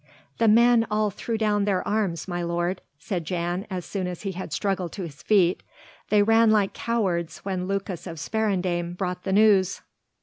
"The men all threw down their arms, my lord," said Jan as soon as he had struggled to his feet, "they ran like cowards when Lucas of Sparendam brought the news."